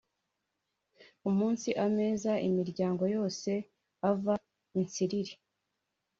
Umunsi ameza imiryango yose ava i Nsiriri